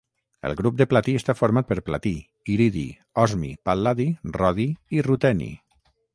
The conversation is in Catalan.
El grup de platí està format per platí, iridi, osmi, pal·ladi, rodi i ruteni.